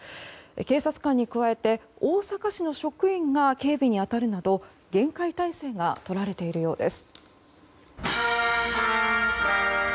警察官に加えて大阪市の職員が警備に当たるなど厳戒態勢がとられているようです。